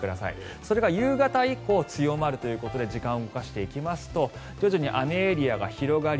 それが夕方以降強まるということで時間を動かしていきますと徐々に雨エリアが広がり